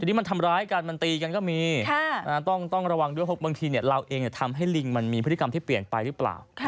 ทีนี้มันทำร้ายกันมันตีกันก็มีต้องระวังด้วยเพราะบางทีเราเองทำให้ลิงมันมีพฤติกรรมที่เปลี่ยนไปหรือเปล่า